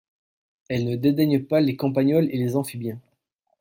Elle ne dédaigne pas les campagnols et les amphibiens.